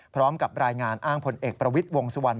พร้อมกับรายงานอ้างผลเอกประวิทย์วงสุวรรณ